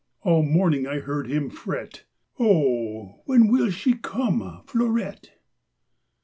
All morning I heard him fret: "Oh, when will she come, Fleurette?"